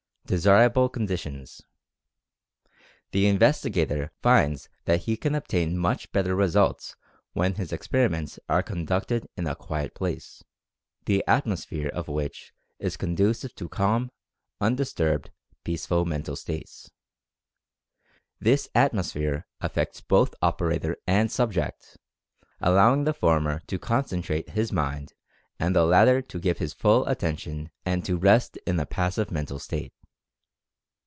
DESIRABLE CONDITIONS. The investigator finds that he can obtain much bet ter results when his experiments are conducted in a Experimental Fascination 91 quiet place, the atmosphere of which is conducive to calm, undisturbed, peaceful mental states. This at mosphere affects both operator and subject, allowing the former to concentrate his mind and the latter to give his full attention and to rest in a passive mental state.